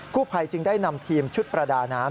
ผู้ภัยจึงได้นำทีมชุดประดาน้ำ